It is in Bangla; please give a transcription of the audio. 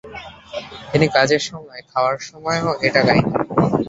তিনি কাজের সময়, খাওয়ার সময় ও এটা গাইতেন।